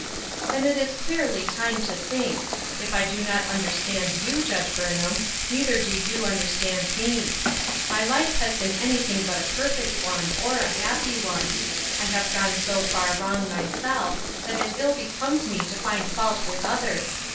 " Then it is clearly time to think. If I do not understand you,, Judge Burnham, neither do you understand me. My life has been anything but a perfect one, or a happy one. I have gone so far wrong myself that it ill becomes me to find fault with others.